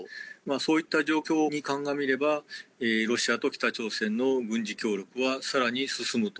そういった状況に鑑みれば、ロシアと北朝鮮の軍事協力はさらに進むと。